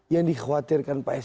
yang dikhawatirkan pak andri